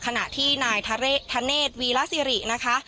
ขณะที่นายธเนธวีรสิรินะคะ